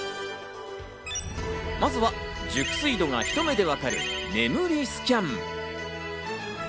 まずは熟睡度がひと目でわかる眠りスキャン。